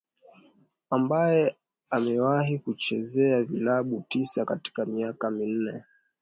ambaye amewahi kuchezea vilabu tisa katika miaka minne